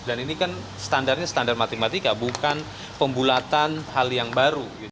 dan ini kan standarnya standar matematika bukan pembulatan hal yang baru